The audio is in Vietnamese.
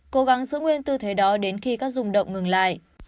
cố gắng giữ nguyên tư thế đó đến khi các dùng động ngừng lại